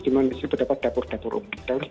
di mana disini terdapat dapur dapur umum